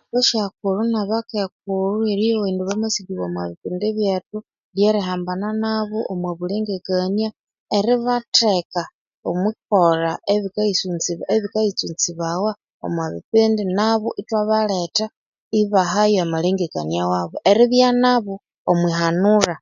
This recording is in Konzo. Abasyakulhu na bakekulhu eriyowa indi bamasikibwa omwa bipindi byetu ryeri hambana nabo omwa bulengekania eribateka omwabikayisunzibawa omwabipindi nabo ibaha bulengekania bwabu omwehanula